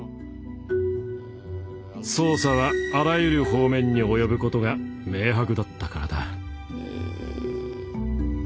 捜査はあらゆる方面に及ぶことが明白だったからだ。